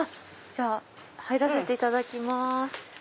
じゃあ入らせていただきます。